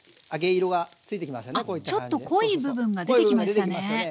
あちょっと濃い部分が出てきましたね。